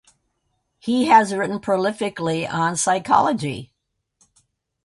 He has written prolifically on psychology.